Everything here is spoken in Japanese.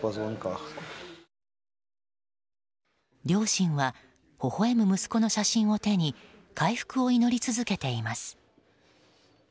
両親はほほ笑む息子の写真を手に回復を祈り続けています。